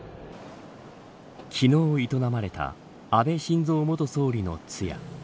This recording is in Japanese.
昨日営まれた安倍晋三元総理の通夜。